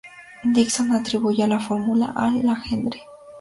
L. E. Dickson atribuye la fórmula a Legendre.